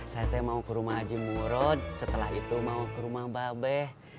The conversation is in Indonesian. saya mau ke rumah haji murud setelah itu mau ke rumah mba be